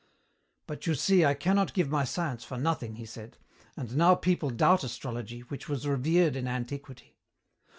"But you see I cannot give my science for nothing," he said. "And now people doubt astrology, which was revered in antiquity.